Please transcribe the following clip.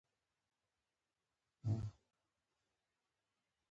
رومیان د سلاد مهم توکي دي